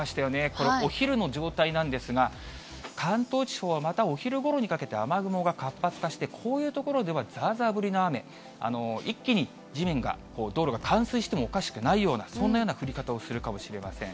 これ、お昼の状態なんですが、関東地方はまたお昼ごろにかけて雨雲が活発化して、こういう所ではざーざー降りの雨、一気に地面が、道路が冠水してもおかしくないような、そんなような降り方をするかもしれません。